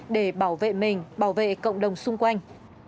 để bảo vệ mình bảo vệ cộng đồng xung quanh